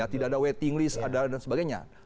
tidak ada waiting list dan sebagainya